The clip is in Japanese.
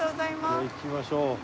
行きましょう。